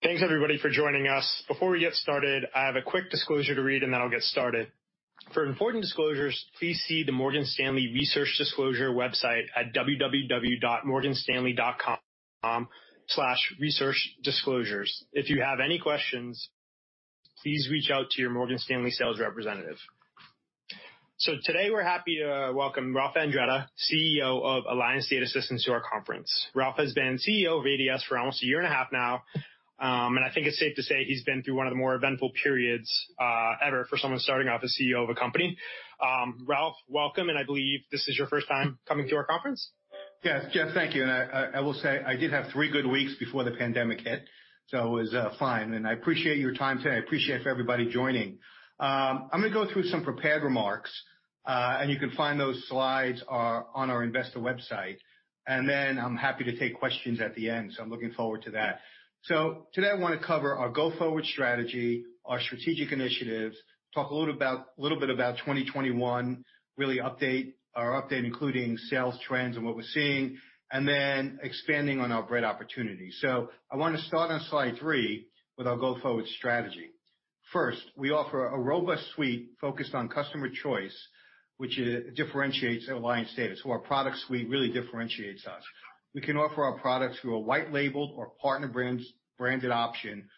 Thanks everybody for joining us. Before we get started, I have a quick disclosure to read and then I'll get started. For important disclosures, please see the Morgan Stanley research disclosure website at www.morganstanley.com/researchdisclosures. If you have any questions, please reach out to your Morgan Stanley sales representative. Today we're happy to welcome Ralph Andretta, CEO of Alliance Data Systems, to our conference. Ralph has been CEO of ADS for almost 1.5 years now, and I think it's safe to say he's been through one of the more eventful periods ever for someone starting out as CEO of a company. Ralph, welcome, and I believe this is your first time coming to our conference. Yes, Jeff, thank you. I will say I did have three good weeks before the pandemic hit, so it was fine, and I appreciate your time today. I appreciate everybody joining. I'm going to go through some prepared remarks, and you can find those slides on our investor website. I'm happy to take questions at the end. I'm looking forward to that. Today I want to cover our go-forward strategy, our strategic initiatives, talk a little bit about 2021, our update including sales trends and what we're seeing, and then expanding on our Bread opportunity. I want to start on slide three with our go-forward strategy. First, we offer a robust suite focused on customer choice, which differentiates Alliance Data. Our product suite really differentiates us. We can offer our product through a white label or partner-branded option,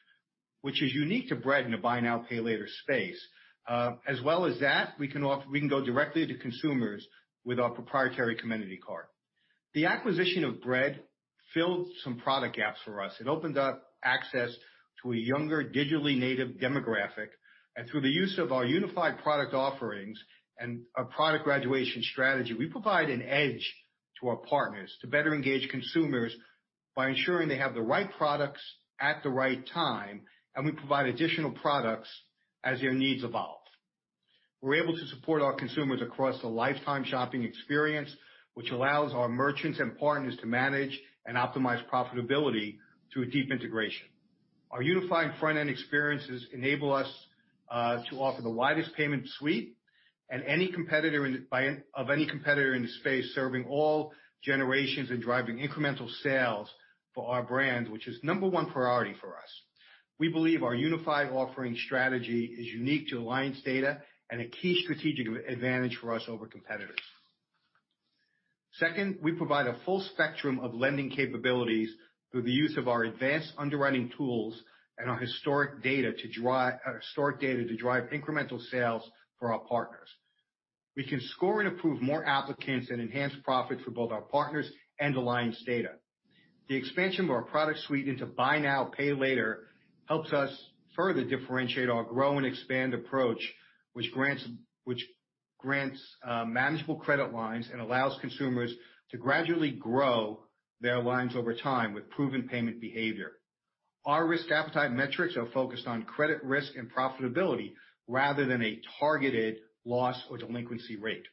which is unique to Bread in the buy now, pay later space. As well as that, we can go directly to consumers with our proprietary Comenity card. The acquisition of Bread filled some product gaps for us. It opened up access to a younger, digitally native demographic. Through the use of our unified product offerings and a product graduation strategy, we provide an edge to our partners to better engage consumers by ensuring they have the right products at the right time, and we provide additional products as their needs evolve. We're able to support our consumers across a lifetime shopping experience, which allows our merchants and partners to manage and optimize profitability through a deep integration. Our unified front-end experiences enable us to offer the widest payment suite of any competitor in the space, serving all generations and driving incremental sales for our brands, which is number one priority for us. We believe our unified offering strategy is unique to Bread Financial and a key strategic advantage for us over competitors. Second, we provide a full spectrum of lending capabilities through the use of our advanced underwriting tools and our historic data to drive incremental sales for our partners. We can score and approve more applicants and enhance profit for both our partners and Bread Financial. The expansion of our product suite into buy now, pay later helps us further differentiate our grow and expand approach, which grants manageable credit lines and allows consumers to gradually grow their lines over time with proven payment behavior. Our risk appetite metrics are focused on credit risk and profitability rather than a targeted loss or delinquency rate.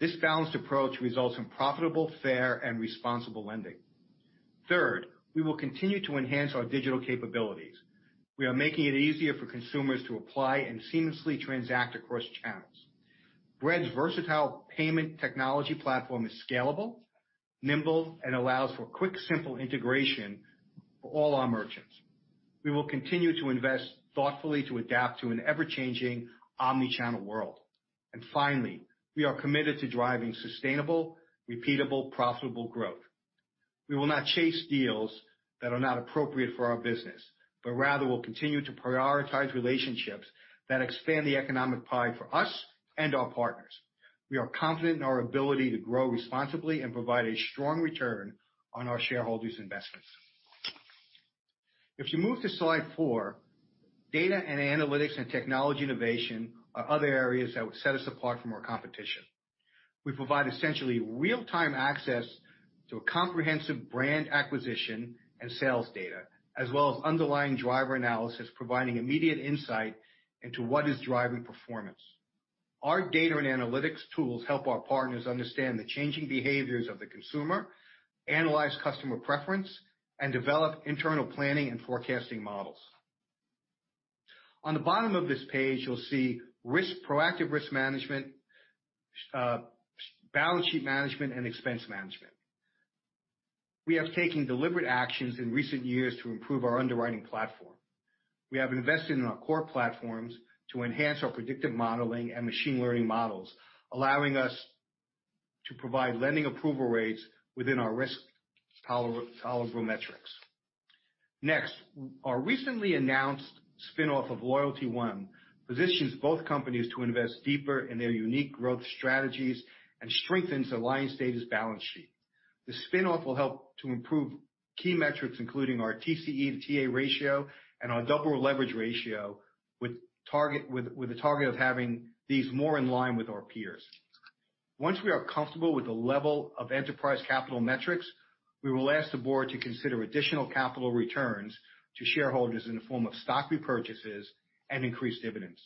This balanced approach results in profitable, fair, and responsible lending. Third, we will continue to enhance our digital capabilities. We are making it easier for consumers to apply and seamlessly transact across channels. Bread's versatile payment technology platform is scalable, nimble, and allows for quick, simple integration for all our merchants. We will continue to invest thoughtfully to adapt to an ever-changing omni-channel world. Finally, we are committed to driving sustainable, repeatable, profitable growth. We will not chase deals that are not appropriate for our business, but rather will continue to prioritize relationships that expand the economic pie for us and our partners. We are confident in our ability to grow responsibly and provide a strong return on our shareholders' investments. If you move to slide four, data and analytics and technology innovation are other areas that set us apart from our competition. We provide essentially real-time access to comprehensive brand acquisition and sales data, as well as underlying driver analysis, providing immediate insight into what is driving performance. Our data and analytics tools help our partners understand the changing behaviors of the consumer, analyze customer preference, and develop internal planning and forecasting models. On the bottom of this page, you'll see proactive risk management, balance sheet management, and expense management. We have taken deliberate actions in recent years to improve our underwriting platform. We have invested in our core platforms to enhance our predictive modeling and machine learning models, allowing us to provide lending approval rates within our risk-tolerable metrics. Next, our recently announced spin-off of LoyaltyOne positions both companies to invest deeper in their unique growth strategies and strengthens Alliance Data's balance sheet. The spin-off will help to improve key metrics, including our TCE to TA ratio and our double leverage ratio, with the target of having these more in line with our peers. Once we are comfortable with the level of enterprise capital metrics, we will ask the board to consider additional capital returns to shareholders in the form of stock repurchases and increased dividends.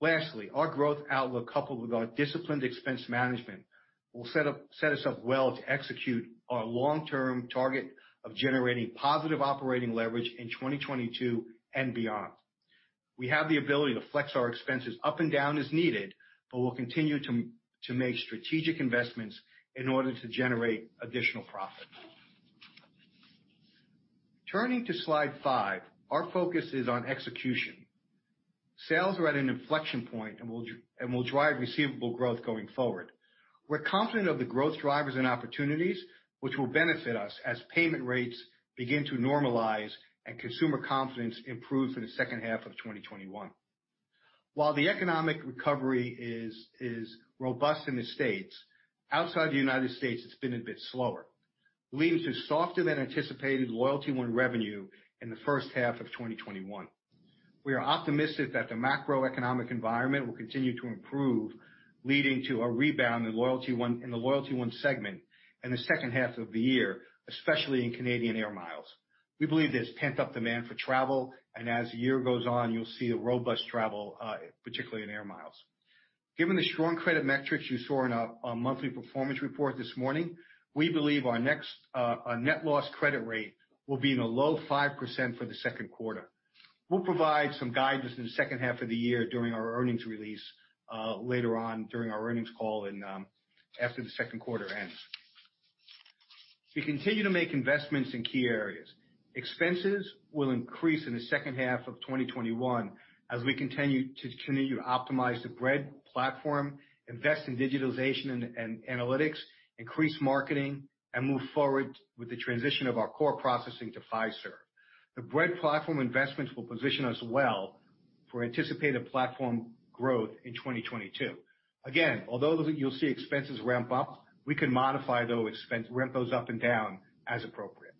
Lastly, our growth outlook coupled with our disciplined expense management will set us up well to execute our long-term target of generating positive operating leverage in 2022 and beyond. We have the ability to flex our expenses up and down as needed, but we'll continue to make strategic investments in order to generate additional profit. Turning to slide five, our focus is on execution. Sales are at an inflection point and will drive receivable growth going forward. We're confident of the growth drivers and opportunities which will benefit us as payment rates begin to normalize and consumer confidence improve in the second half of 2021. While the economic recovery is robust in the States, outside the United States, it's been a bit slower, leading to softer than anticipated LoyaltyOne revenue in the first half of 2021. We are optimistic that the macroeconomic environment will continue to improve, leading to a rebound in the LoyaltyOne segment in the second half of the year, especially in Canadian Air Miles. We believe there's pent-up demand for travel, and as the year goes on, you'll see a robust travel, particularly in Air Miles. Given the strong credit metrics you saw in our monthly performance report this morning, we believe our net loss credit rate will be in the low 5% for the second quarter. We'll provide some guidance in the second half of the year during our earnings release later on during our earnings call after the second quarter ends. We continue to make investments in key areas. Expenses will increase in the second half of 2021 as we continue to optimize the Bread platform, invest in digitalization and analytics, increase marketing, and move forward with the transition of our core processing to Fiserv. The Bread platform investments will position us well for anticipated platform growth in 2022. Again, although you'll see expenses ramp up, we could modify those expenses, ramp those up and down as appropriate.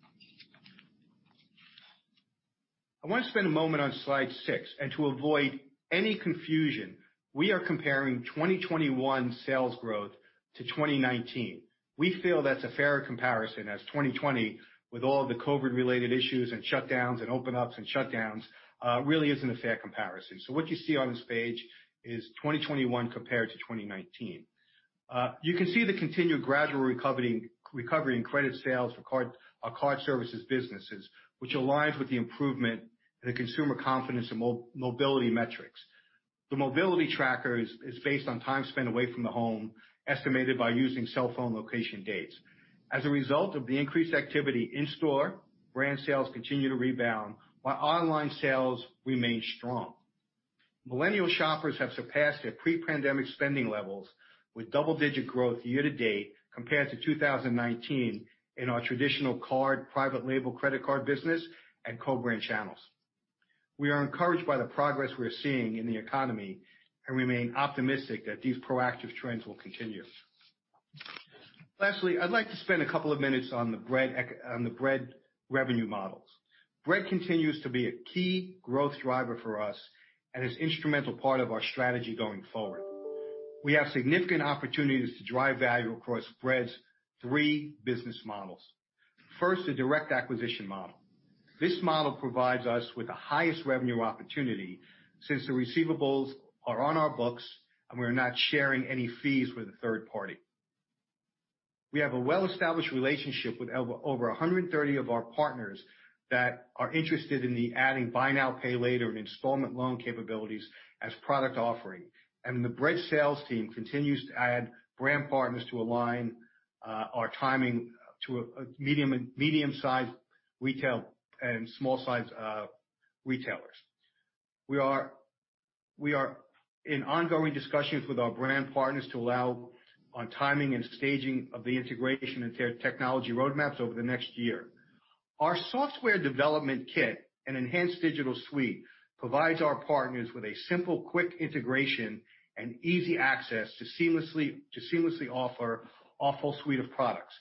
I want to spend a moment on slide six. To avoid any confusion, we are comparing 2021 sales growth to 2019. We feel that's a fair comparison as 2020, with all the COVID-related issues and shutdowns and open ups and shutdowns, really isn't a fair comparison. What you see on this page is 2021 compared to 2019. You can see the continued gradual recovery in credit sales for our Card Services businesses, which aligns with the improvement in the consumer confidence and mobility metrics. The mobility tracker is based on time spent away from the home, estimated by using cell phone location dates. As a result of the increased activity in store, brand sales continue to rebound while online sales remain strong. Millennial shoppers have surpassed their pre-pandemic spending levels with double-digit growth year to date compared to 2019 in our traditional card, private label credit card business, and co-brand channels. We are encouraged by the progress we're seeing in the economy and remain optimistic that these proactive trends will continue. I'd like to spend a couple of minutes on the Bread revenue models. Bread continues to be a key growth driver for us and is an instrumental part of our strategy going forward. We have significant opportunities to drive value across Bread's three business models. First, the direct acquisition model. This model provides us with the highest revenue opportunity since the receivables are on our books and we're not sharing any fees with a third party. We have a well-established relationship with over 130 of our partners that are interested in adding buy now, pay later, and installment loan capabilities as product offering. The Bread sales team continues to add brand partners to align our timing to medium-sized retail and small size retailers. We are in ongoing discussions with our brand partners to allow on timing and staging of the integration into their technology roadmaps over the next year. Our software development kit and Enhanced Digital Suite provides our partners with a simple, quick integration and easy access to seamlessly offer our full suite of products.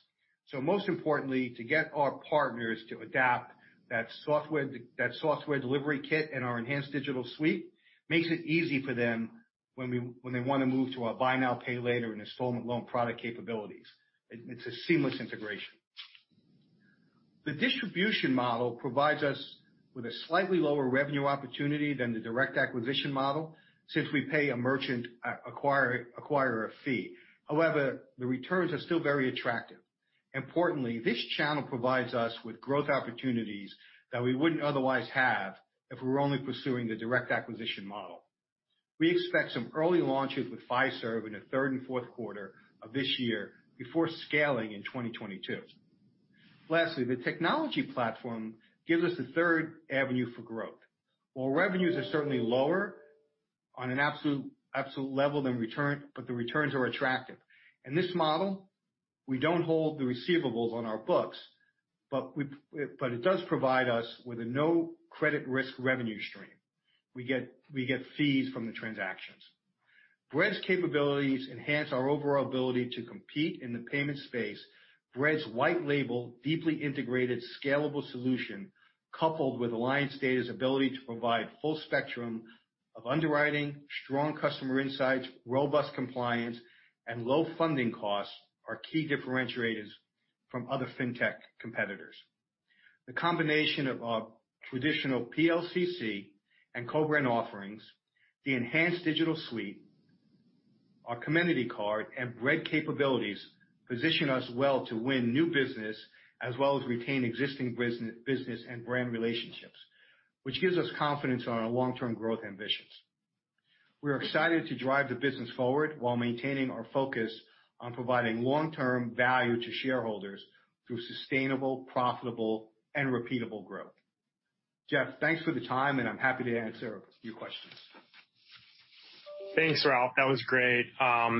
Most importantly, to get our partners to adapt that software development kit and our Enhanced Digital Suite makes it easy for them when they want to move to our buy now, pay later and installment loan product capabilities. It's a seamless integration. The distribution model provides us with a slightly lower revenue opportunity than the direct acquisition model, since we pay a merchant acquirer fee. The returns are still very attractive. Importantly, this channel provides us with growth opportunities that we wouldn't otherwise have if we were only pursuing the direct acquisition model. We expect some early launches with Fiserv in the third and fourth quarter of this year before scaling in 2022. Lastly, the technology platform gives us a third avenue for growth. While revenues are certainly lower on an absolute level than return, but the returns are attractive. In this model, we don't hold the receivables on our books, but it does provide us with a no credit risk revenue stream. We get fees from the transactions. Bread's capabilities enhance our overall ability to compete in the payment space. Bread's white label, deeply integrated, scalable solution coupled with Alliance Data's ability to provide full spectrum of underwriting, strong customer insights, robust compliance, and low funding costs are key differentiators from other fintech competitors. The combination of our traditional PLCC and co-brand offerings, the Enhanced Digital Suite, our Comenity card and Bread capabilities position us well to win new business as well as retain existing business and brand relationships, which gives us confidence on our long-term growth ambitions. We're excited to drive the business forward while maintaining our focus on providing long-term value to shareholders through sustainable, profitable, and repeatable growth. Jeff, thanks for the time, and I'm happy to answer a few questions. Thanks, Ralph. That was great.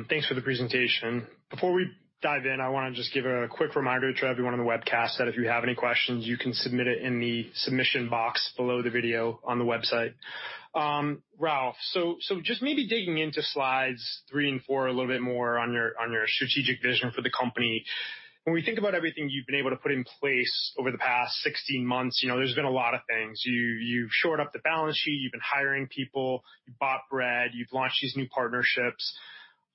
Thanks for the presentation. Before we dive in, I want to just give a quick reminder to everyone on the webcast that if you have any questions, you can submit it in the submission box below the video on the website. Ralph, just maybe digging into slides three and four a little bit more on your strategic vision for the company. When we think about everything you've been able to put in place over the past 16 months, there's been a lot of things. You've shored up the balance sheet, you've been hiring people, you bought Bread, you've launched these new partnerships.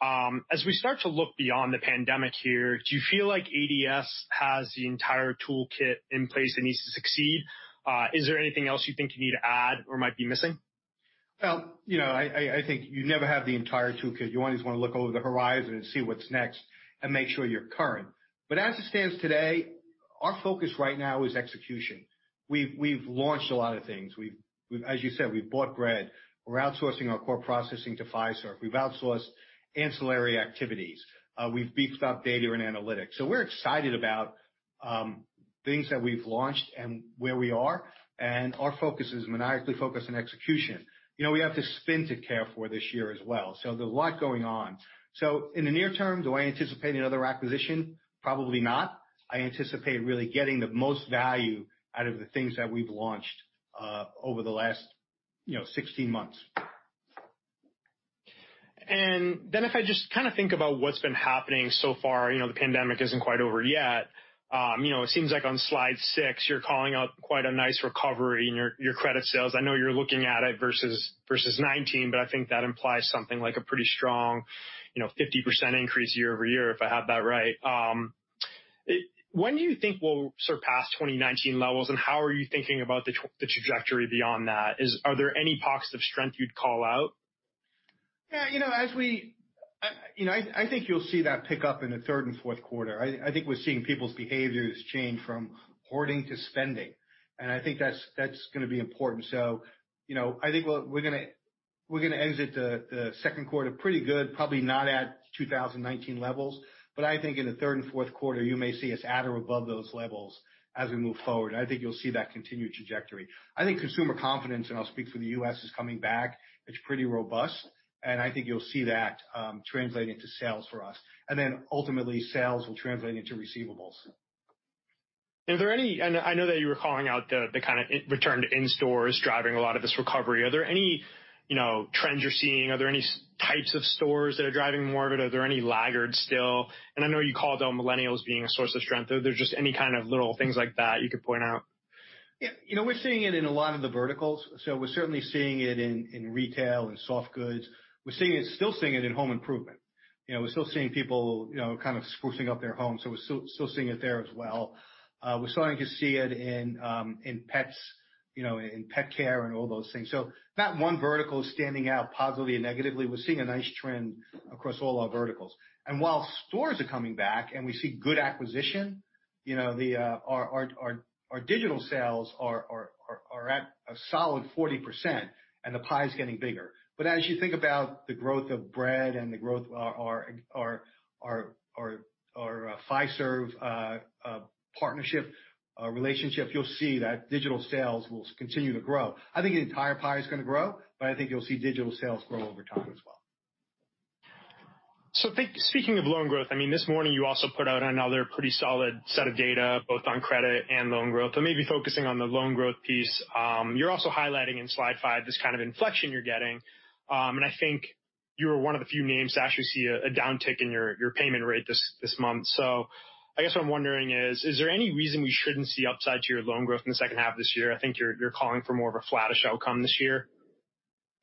As we start to look beyond the pandemic here, do you feel like ADS has the entire toolkit in place it needs to succeed? Is there anything else you think you need to add or might be missing? Well, I think you never have the entire toolkit. You always want to look over the horizon and see what's next and make sure you're current. As it stands today, our focus right now is execution. We've launched a lot of things. As you said, we've bought Bread. We're outsourcing our core processing to Fiserv. We've outsourced ancillary activities. We've beefed up data and analytics. We're excited about things that we've launched and where we are, and our focus is maniacally focused on execution. We have to spin to care for this year as well. There's a lot going on. In the near term, do I anticipate another acquisition? Probably not. I anticipate really getting the most value out of the things that we've launched over the last 16 months. If I just kind of think about what's been happening so far, the pandemic isn't quite over yet. It seems like on slide six, you're calling out quite a nice recovery in your credit sales. I know you're looking at it versus 2019, but I think that implies something like a pretty strong 50% increase YoY, if I have that right. When do you think we'll surpass 2019 levels, and how are you thinking about the trajectory beyond that? Are there any pockets of strength you'd call out? Yeah. I think you'll see that pick up in the third and fourth quarter. I think we're seeing people's behaviors change from hoarding to spending, and I think that's going to be important. I think we're going to exit the second quarter pretty good, probably not at 2019 levels, but I think in the third and fourth quarter, you may see us at or above those levels as we move forward. I think you'll see that continued trajectory. I think consumer confidence, and I'll speak for the U.S., is coming back. It's pretty robust, and I think you'll see that translate into sales for us. Ultimately, sales will translate into receivables. I know that you were calling out the kind of return to in-stores driving a lot of this recovery. Are there any trends you're seeing? Are there any types of stores that are driving more of it? Are there any laggards still? I know you called out millennials being a source of strength. Are there just any kind of little things like that you could point out? Yeah. We're seeing it in a lot of the verticals. We're certainly seeing it in retail and soft goods. We're still seeing it in home improvement. We're still seeing people kind of sprucing up their homes, so we're still seeing it there as well. We're starting to see it in pets, in pet care and all those things. Not one vertical is standing out positively and negatively. We're seeing a nice trend across all our verticals. While stores are coming back and we see good acquisition, our digital sales are at a solid 40%, and the pie is getting bigger. As you think about the growth of Bread and the growth of our Fiserv partnership relationship, you'll see that digital sales will continue to grow. I think the entire pie is going to grow, but I think you'll see digital sales grow over time as well. Speaking of loan growth, I mean, this morning you also put out another pretty solid set of data, both on credit and loan growth. Maybe focusing on the loan growth piece. You're also highlighting in slide 5 this kind of inflection you're getting. I think you're one of the few names to actually see a downtick in your payment rate this month. I guess what I'm wondering is there any reason we shouldn't see upside to your loan growth in the second half of this year? I think you're calling for more of a flattish outcome this year.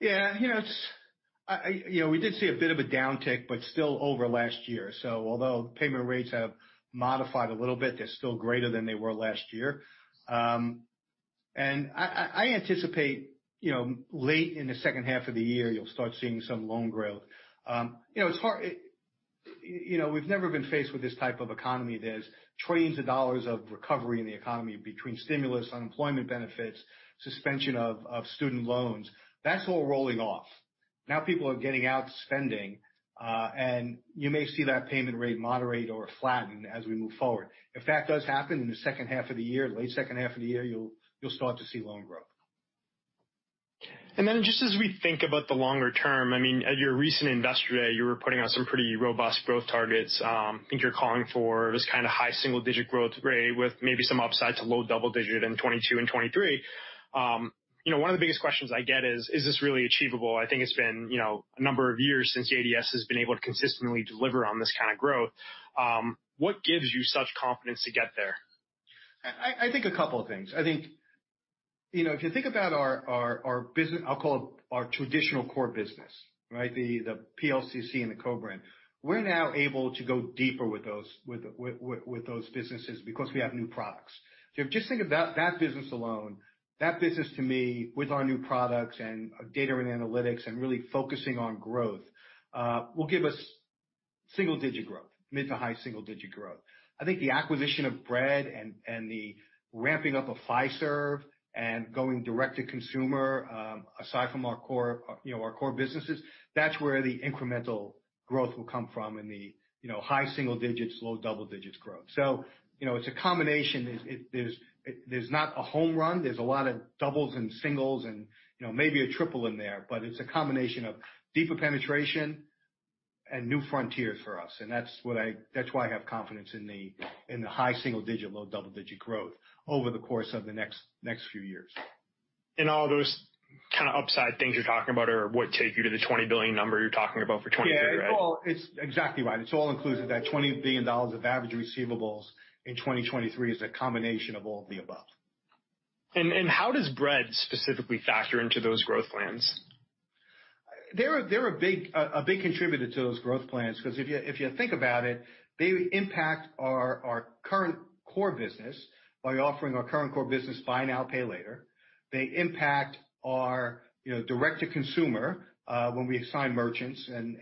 Yeah. We did see a bit of a downtick, but still over last year. Although payment rates have modified a little bit, they're still greater than they were last year. I anticipate late in the second half of the year, you'll start seeing some loan growth. We've never been faced with this type of economy. There's trillions of dollars of recovery in the economy between stimulus, unemployment benefits, suspension of student loans. That's all rolling off. People are getting out, spending, and you may see that payment rate moderate or flatten as we move forward. If that does happen in the second half of the year, late second half of the year, you'll start to see loan growth. Just as we think about the longer term, I mean, at your recent Investor Day, you were putting out some pretty robust growth targets. I think you're calling for this kind of high single-digit growth rate with maybe some upside to low double digit in 2022 and 2023. One of the biggest questions I get is: Is this really achievable? I think it's been a number of years since ADS has been able to consistently deliver on this kind of growth. What gives you such confidence to get there? I think a couple of things. If you think about our business, I'll call it our traditional core business, right? The PLCC and the co-brand. We're now able to go deeper with those businesses because we have new products. If you just think of that business alone, that business to me, with our new products and data and analytics and really focusing on growth will give us single-digit growth, mid to high single-digit growth. The acquisition of Bread and the ramping up of Fiserv and going direct to consumer, aside from our core businesses, that's where the incremental growth will come from in the high single digits, low double-digit growth. It's a combination. There's not a home run. There's a lot of doubles and singles and maybe a triple in there. It's a combination of deeper penetration and new frontiers for us, and that's why I have confidence in the high single digit, low double-digit growth over the course of the next few years. All those kind of upside things you're talking about are what take you to the $20 billion number you're talking about for 2023, right? Yeah. It's exactly right. It's all included. That $20 billion of average receivables in 2023 is a combination of all the above. How does Bread specifically factor into those growth plans? They're a big contributor to those growth plans, because if you think about it, they impact our current core business by offering our current core business buy now, pay later. They impact our direct to consumer, when we assign merchants and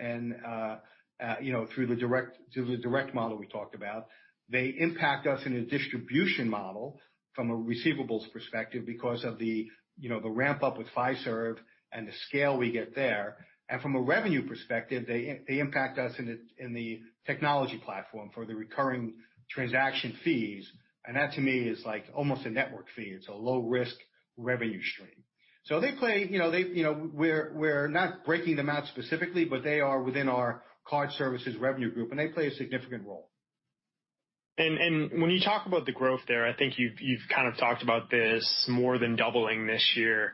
through the direct model we talked about. They impact us in a distribution model from a receivables perspective because of the ramp up with Fiserv and the scale we get there. From a revenue perspective, they impact us in the technology platform for the recurring transaction fees. That to me is like almost a network fee. It's a low-risk revenue stream. We're not breaking them out specifically, but they are within our Card Services revenue group, and they play a significant role. When you talk about the growth there, I think you've kind of talked about this more than doubling this year.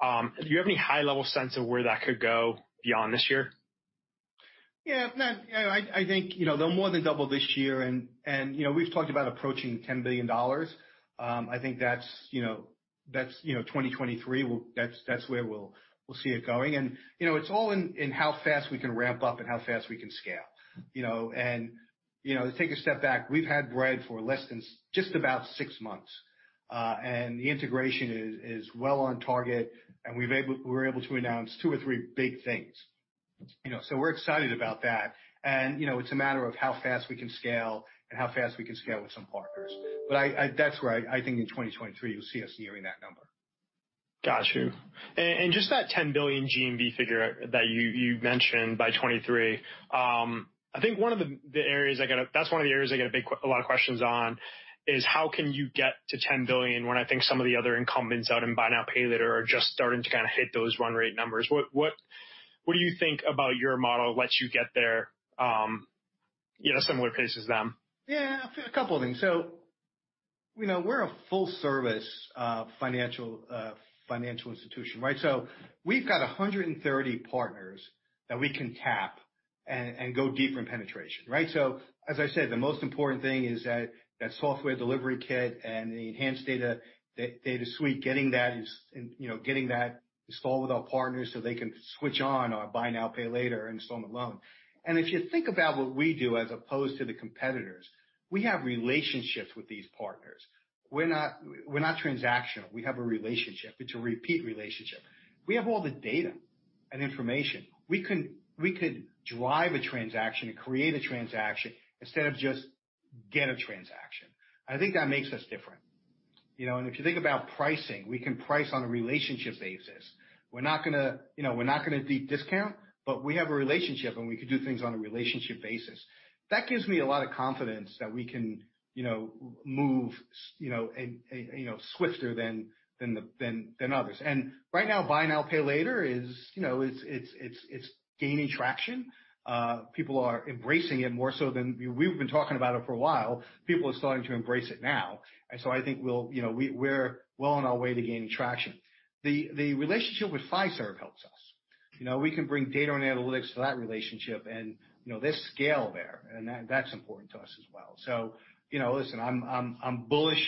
Do you have any high-level sense of where that could go beyond this year? Yeah. I think they'll more than double this year, and we've talked about approaching $10 billion. I think that's 2023, that's where we'll see it going. It's all in how fast we can ramp up and how fast we can scale. To take a step back, we've had Bread for less than just about six months. The integration is well on target, and we were able to announce two or three big things. We're excited about that. It's a matter of how fast we can scale and how fast we can scale with some partners. That's where I think in 2023, you'll see us nearing that number. Got you. Just that $10 billion GMV figure that you mentioned by 2023. That's one of the areas I get a lot of questions on is how can you get to $10 billion when I think some of the other incumbents out in buy now, pay later are just starting to kind of hit those run rate numbers. What do you think about your model lets you get there similar pace as them? A couple of things. We're a full service financial institution, right? We've got 130 partners that we can tap and go deeper in penetration, right? As I said, the most important thing is that software development kit and the Enhanced Digital Suite, getting that installed with our partners so they can switch on our buy now, pay later installment loan. If you think about what we do as opposed to the competitors, we have relationships with these partners. We're not transactional. We have a relationship. It's a repeat relationship. We have all the data and information. We could drive a transaction and create a transaction instead of just get a transaction. I think that makes us different. If you think about pricing, we can price on a relationship basis. We're not going to deep discount, but we have a relationship, and we can do things on a relationship basis. That gives me a lot of confidence that we can move swifter than others. Right now, buy now, pay later is gaining traction. People are embracing it more so. We've been talking about it for a while. People are starting to embrace it now. I think we're well on our way to gaining traction. The relationship with Fiserv helps us. We can bring data and analytics to that relationship and there's scale there, and that's important to us as well. Listen, I'm bullish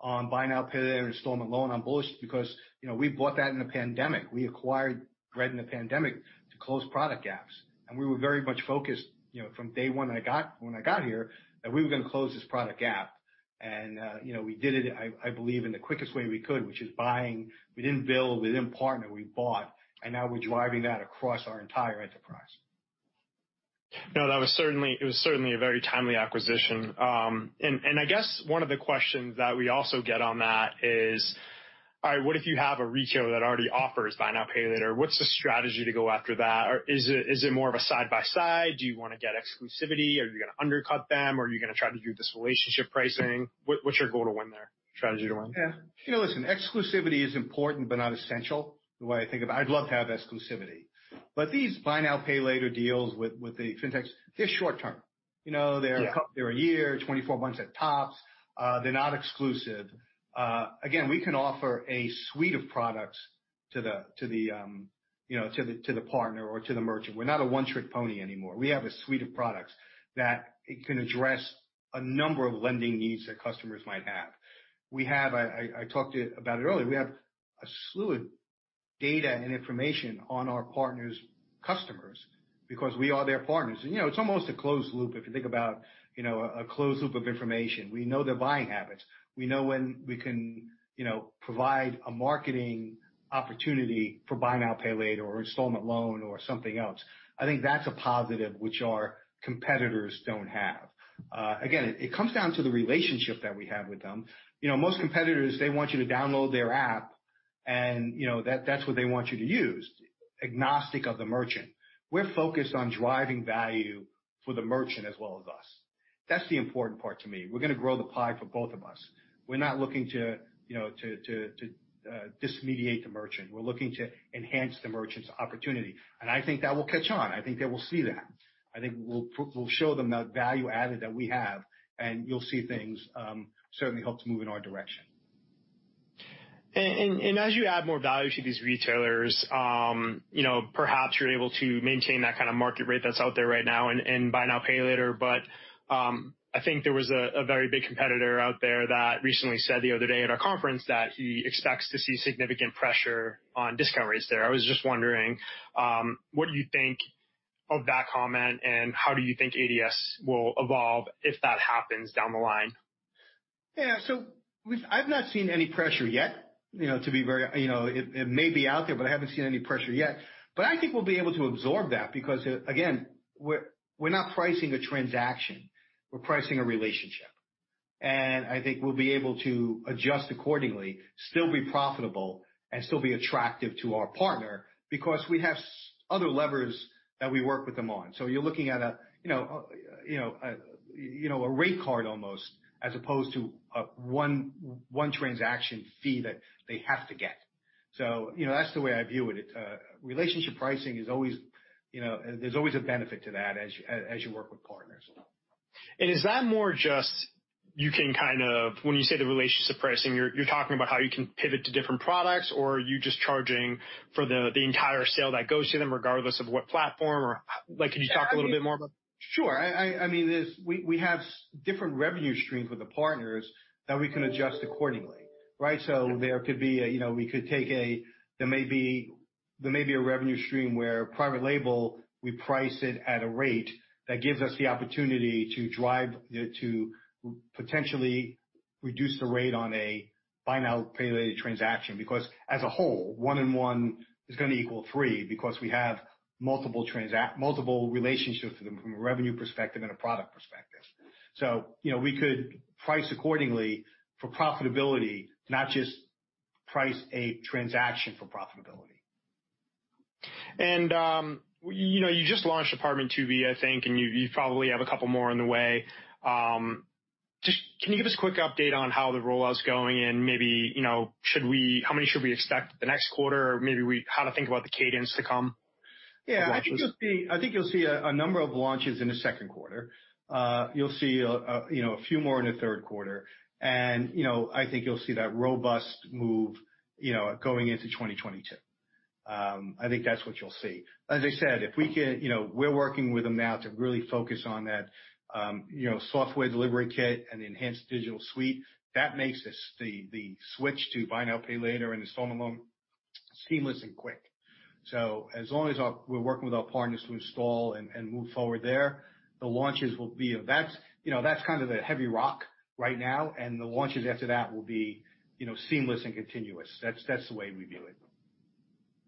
on buy now, pay later installment loan. I'm bullish because we bought that in a pandemic. We acquired Bread in a pandemic to close product gaps. We were very much focused from day one when I got here, that we were going to close this product gap. We did it, I believe, in the quickest way we could, which is buying. We didn't build, we didn't partner, we bought. Now we're driving that across our entire enterprise. No, it was certainly a very timely acquisition. I guess one of the questions that we also get on that is, what if you have a retailer that already offers buy now, pay later? What's the strategy to go after that? Is it more of a side-by-side? Do you want to get exclusivity or are you going to undercut them or are you going to try to do this relationship pricing? What's your goal to win there? Strategy to win? Yeah. Listen, exclusivity is important, but not essential, the way I think about it. I'd love to have exclusivity, but these buy now, pay later deals with the fintechs, they're short-term. Yeah. They're a year, 24 months at tops. They're not exclusive. We can offer a suite of products to the partner or to the merchant. We're not a one-trick pony anymore. We have a suite of products that can address a number of lending needs that customers might have. I talked about it earlier. We have a slew of data and information on our partners' customers, because we are their partners. It's almost a closed loop if you think about a closed loop of information. We know their buying habits. We know when we can provide a marketing opportunity for buy now, pay later, or installment loan, or something else. I think that's a positive which our competitors don't have. It comes down to the relationship that we have with them. Most competitors, they want you to download their app, and that's what they want you to use, agnostic of the merchant. We're focused on driving value for the merchant as well as us. That's the important part to me. We're going to grow the pie for both of us. We're not looking to dismediate the merchant. We're looking to enhance the merchant's opportunity. I think that will catch on. I think they will see that. I think we'll show them that value add that we have, and you'll see things certainly help to move in our direction. As you add more value to these retailers, perhaps you're able to maintain that kind of market rate that's out there right now in buy now, pay later. I think there was a very big competitor out there that recently said the other day at a conference that he expects to see significant pressure on discount rates there. I was just wondering, what do you think of that comment, and how do you think ADS will evolve if that happens down the line? Yeah. I've not seen any pressure yet. It may be out there, but I haven't seen any pressure yet. I think we'll be able to absorb that because, again, we're not pricing a transaction, we're pricing a relationship. I think we'll be able to adjust accordingly, still be profitable, and still be attractive to our partner because we have other levers that we work with them on. You're looking at a rate card almost, as opposed to one transaction fee that they have to get. That's the way I view it. Relationship pricing there's always a benefit to that as you work with partners. Is that more just you can when you say the relationship pricing, you're talking about how you can pivot to different products, or are you just charging for the entire sale that goes to them, regardless of what platform? Can you talk a little bit more about that? Sure. We have different revenue streams with the partners that we can adjust accordingly. Right? There may be a revenue stream where private label, we price it at a rate that gives us the opportunity to potentially reduce the rate on a buy now, pay later transaction. Because as a whole, one and one is going to equal three, because we have multiple relationships with them from a revenue perspective and a product perspective. We could price accordingly for profitability, not just price a transaction for profitability. You just launched Apt2B, I think, and you probably have a couple more on the way. Can you give us a quick update on how the rollout's going and how many should we expect the next quarter? Maybe how to think about the cadence to come? Yeah. I think you'll see a number of launches in the second quarter. You'll see a few more in the third quarter. I think you'll see that robust move going into 2022. I think that's what you'll see. As I said, we're working with them now to really focus on that software development kit and Enhanced Digital Suite that makes the switch to buy now, pay later and installment loan seamless and quick. As long as we're working with our partners to install and move forward there, that's kind of the heavy rock right now, and the launches after that will be seamless and continuous. That's the way we view it.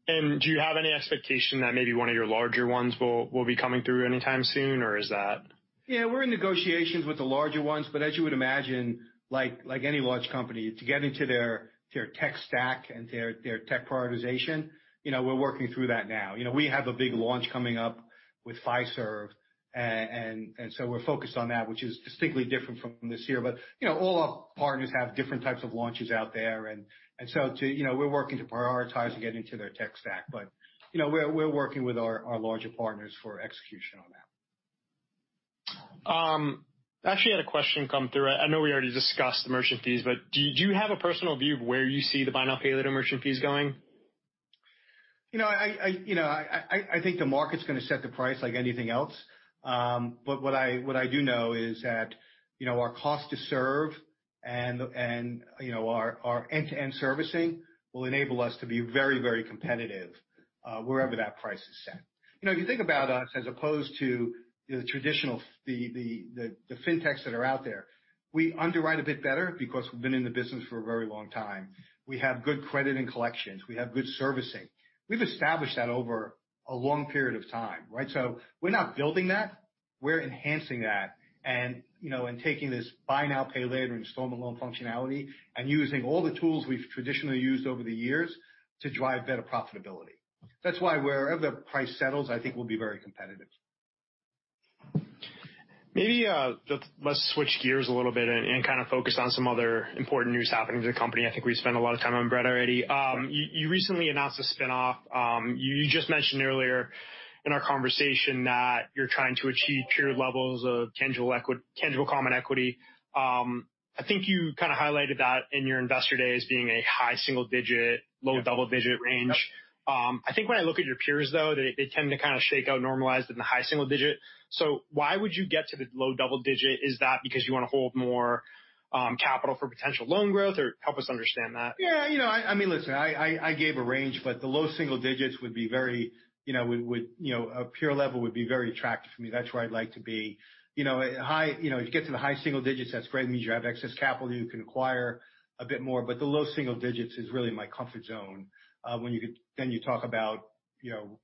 Do you have any expectation that maybe one of your larger ones will be coming through anytime soon? Yeah, we're in negotiations with the larger ones, but as you would imagine, like any large company, to get into their tech stack and their tech prioritization, we're working through that now. We have a big launch coming up with Fiserv. We're focused on that, which is distinctly different from this year. All our partners have different types of launches out there. We're working to prioritize and get into their tech stack. We're working with our larger partners for execution on that. I actually had a question come through. I know we already discussed the merchant fees, but do you have a personal view of where you see the buy now, pay later merchant fees going? I think the market's going to set the price like anything else. What I do know is that our cost to serve and our end-to-end servicing will enable us to be very competitive wherever that price is set. You think about us as opposed to the fintechs that are out there. We underwrite a bit better because we've been in the business for a very long time. We have good credit and collections. We have good servicing. We've established that over a long period of time, right? We're not building that, we're enhancing that. Taking this buy now, pay later installment loan functionality and using all the tools we've traditionally used over the years to drive better profitability. That's why wherever the price settles, I think we'll be very competitive. Let's switch gears a little bit and kind of focus on some other important news happening with the company. I think we've spent a lot of time on Bread already. You recently announced a spin-off. You just mentioned earlier in our conversation that you're trying to achieve peer levels of tangible common equity. I think you kind of highlighted that in your investor day as being a high single digit, low double-digit range. Yep. I think when I look at your peers, though, they tend to kind of shake out normalized in the high single digit. Why would you get to the low double digit? Is that because you want to hold more capital for potential loan growth? Help us understand that. Yeah. Listen, I gave a range, but the low single digits would be a peer level would be very attractive for me. That's where I'd like to be. If you get to the high single digits, that's great. It means you have excess capital, you can acquire a bit more. The low single digits is really my comfort zone. You talk about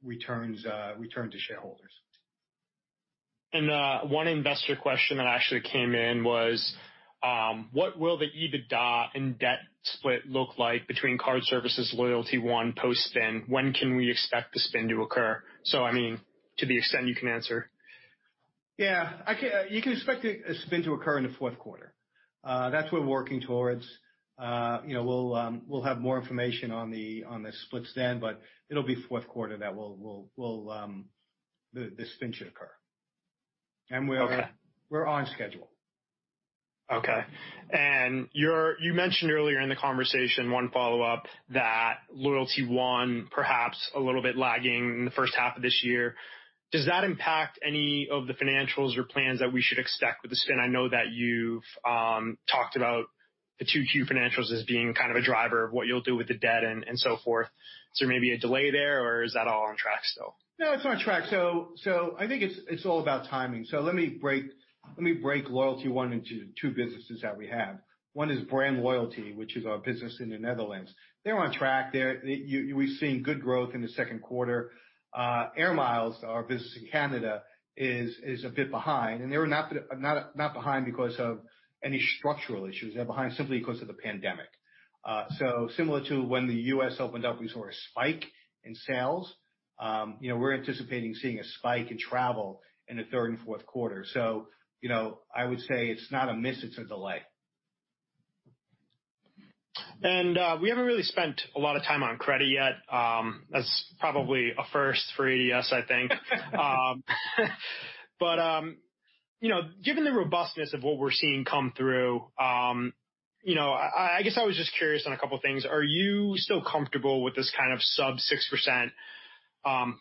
return to shareholders. One investor question that actually came in was, what will the EBITDA and debt split look like between Card Services LoyaltyOne post-spin? When can we expect the spin to occur? I mean, to the extent you can answer. Yeah. You can expect a spin to occur in the fourth quarter. That's what we're working towards. We'll have more information on the split spin, but it'll be fourth quarter that the spin should occur. Okay. We're on schedule. Okay. You mentioned earlier in the conversation, one follow-up, that LoyaltyOne perhaps a little bit lagging in the first half of this year. Does that impact any of the financials or plans that we should expect with the spin? I know that you've talked about the Q2 financials as being kind of a driver of what you'll do with the debt and so forth. Is there maybe a delay there, or is that all on track still? No, it's on track. I think it's all about timing. Let me break LoyaltyOne into two businesses that we have. One is BrandLoyalty, which is our business in the Netherlands. They're on track. We've seen good growth in the second quarter. Air Miles, our business in Canada, is a bit behind, and they were not behind because of any structural issues. They're behind simply because of the pandemic. Similar to when the U.S. opened up, we saw a spike in sales. We're anticipating seeing a spike in travel in the third and fourth quarter. I would say it's not a miss, it's a delay. We haven't really spent a lot of time on credit yet. That's probably a first for ADS, I think. Given the robustness of what we're seeing come through, I guess I was just curious on a couple things. Are you still comfortable with this kind of sub 6%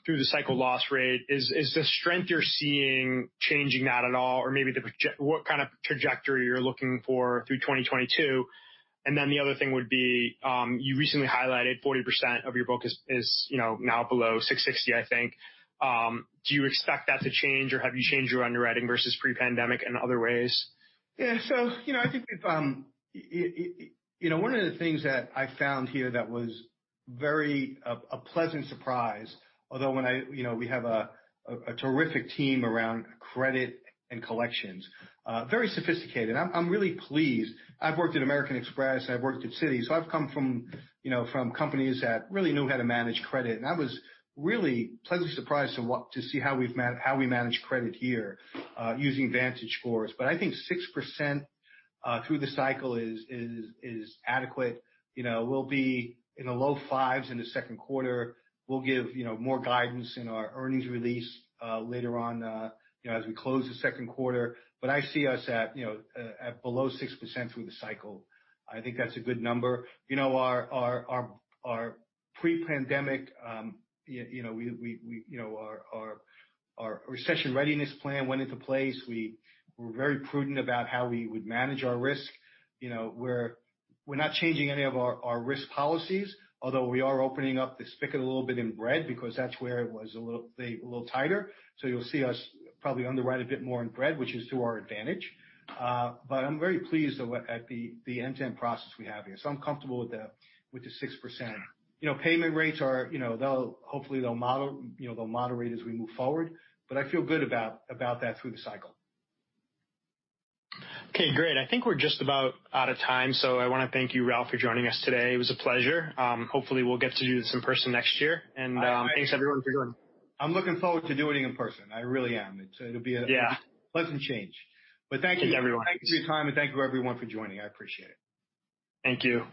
through the cycle loss rate? Is the strength you're seeing changing that at all? Maybe what kind of trajectory you're looking for through 2022? The other thing would be, you recently highlighted 40% of your book is now below 660, I think. Do you expect that to change, or have you changed your underwriting versus pre-pandemic in other ways? Yeah. I think one of the things that I found here that was very a pleasant surprise, although we have a terrific team around credit and collections. Very sophisticated. I am really pleased. I have worked at American Express, I have worked at Citi, so I have come from companies that really knew how to manage credit, and I was really pleasantly surprised to see how we manage credit here using VantageScore. I think 6% through the cycle is adequate. We will be in the low fives in the second quarter. We will give more guidance in our earnings release later on as we close the second quarter. I see us at below 6% through the cycle. I think that is a good number. Our recession readiness plan went into place. We were very prudent about how we would manage our risk. We're not changing any of our risk policies, although we are opening up the spigot a little bit in Bread because that's where it was a little tighter. You'll see us probably underwrite a bit more in Bread, which is to our advantage. I'm very pleased at the end-to-end process we have here. I'm comfortable with the 6%. Payment rates hopefully they'll moderate as we move forward, I feel good about that through the cycle. Okay, great. I think we're just about out of time. I want to thank you, Ralph, for joining us today. It was a pleasure. Hopefully, we'll get to do this in person next year. Thanks everyone for joining. I'm looking forward to doing it in person. I really am. Yeah. It'll be a pleasant change. Thank you. Thanks everyone. Thank you for your time, and thank you everyone for joining. I appreciate it. Thank you.